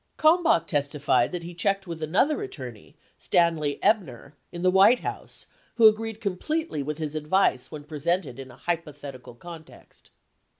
1064 Kalmbach testified that he checked with another attorney, Stanley Ebner, in the White House, who agreed completely with his advice when presented in a hypothetical context.